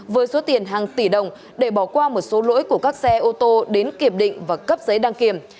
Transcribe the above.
với số tiền hàng tỷ đồng để bỏ qua một số lỗi của các xe ô tô đến kiểm định và cấp giấy đăng kiểm